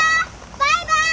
バイバイ！